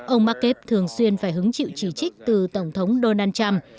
ông market thường xuyên phải hứng chịu chỉ trích từ tổng thống donald trump